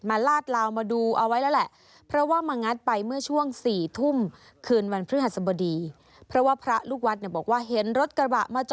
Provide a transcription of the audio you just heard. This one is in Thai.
มาลาดลาวมาดูเอาไว้แล้วแหละ